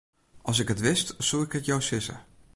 As ik it wist, soe ik it jo sizze.